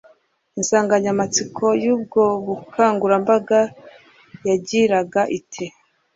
Insanganyamatsiko y’ubwo bukangurambaga yagiraga iti